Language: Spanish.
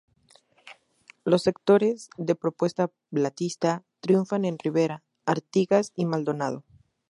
Los sectores de Propuesta Batllista triunfan en Rivera, Artigas y Maldonado.